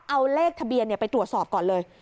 เอาเลขทะเบียนไปตรวจสอบก่อนเลย